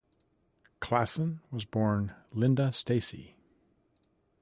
Klassen was born Linda Stacey.